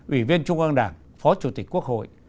ủy viên trung an đảng phó chủ tịch quốc hội